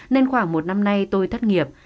nên khoảng một năm nay tôi thất nghiệp